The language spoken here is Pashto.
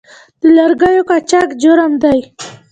د لرګیو قاچاق جرم دی